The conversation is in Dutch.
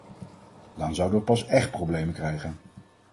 Dan zouden we pas echt problemen krijgen.